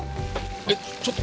えっちょっと！